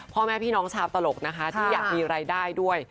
พ่อแม่พี่น้องชาวตลกนะคะที่อยากมีรายได้ด้วย